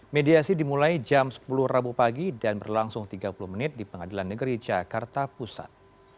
mediasi dimulai jam sepuluh rabu pagi dan berlangsung tiga puluh menit di pengadilan negeri jakarta pusat